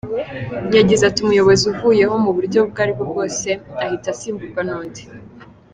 Yagize ati “Umuyobozi uvuyeho mu buryo ubwo aribwo bwose ahita asimburwa n’undi.